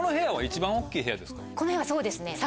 この部屋はそうですね。